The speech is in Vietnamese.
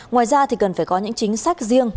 ngoài ra thì cần phải có những chính sách riêng